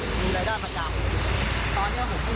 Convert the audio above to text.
มันก็เลยกลายเป็นว่าเหมือนกับยกพวกมาตีกัน